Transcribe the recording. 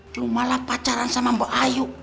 cuma malah pacaran sama mbak ayu